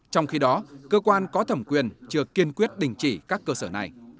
trong khi đó cơ quan có thẩm quyền chưa kiên quyết đình chỉ các cơ sở này